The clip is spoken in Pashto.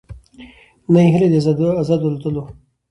نه یې هیله د آزادو الوتلو